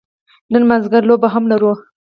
نن مازدیګر لوبه هم لرو.